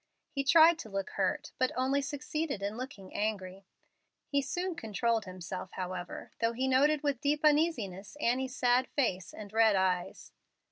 He tried to look hurt, but only succeeded in looking angry. He soon controlled himself, however, though he noted with deep uneasiness Annie's sad face and red eyes.